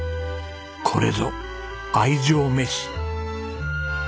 これぞ愛情めし。